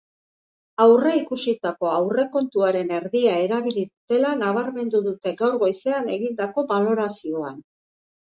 Aurreikusitako aurrekontuaren erdia erabili dutela nabarmendu dute gaur goizean egindako balorazioan.